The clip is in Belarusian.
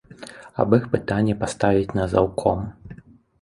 Аб іх пытанне паставіць на заўком.